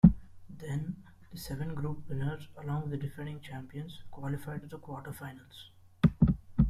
Then, the seven group winners along with the defending champions qualified to the quarterfinals.